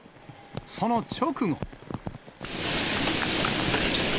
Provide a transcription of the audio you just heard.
その直後。